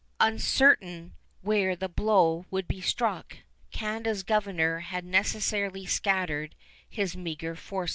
Uncertain where the blow would be struck, Canada's governor had necessarily scattered his meager forces.